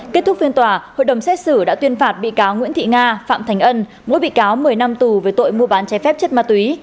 kết thúc phiên tòa hội đồng xét xử đã tuyên phạt bị cáo nguyễn thị nga phạm thành ân mỗi bị cáo một mươi năm tù về tội mua bán trái phép chất ma túy